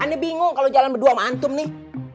ana bingung kalau jalan berdua sama antum nih